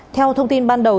theo thông tin ban đầu